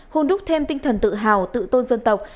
hôn đúc thêm tinh thần tự hào tự tôn dân tộc